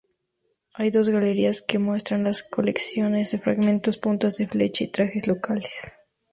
Hay dos galerías que muestran colecciones de fragmentos, puntas de flecha, y trajes locales.